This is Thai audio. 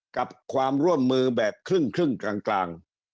กับความร่วมมือแบบครึ่งกลาง